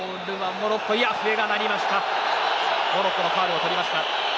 モロッコのファウルをとりました。